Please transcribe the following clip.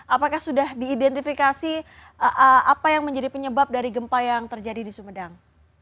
apakah sudah diidentifikasi apa yang menjadi penyebab dari gempa yang terjadi di sumedang